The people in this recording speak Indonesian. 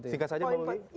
singkat saja mbak wi